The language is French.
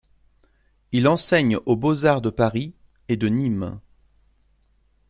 Il enseigne aux Beaux-arts de Paris, et de Nîmes.